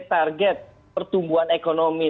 target target pertumbuhan ekonomi